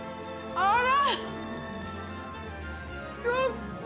あら！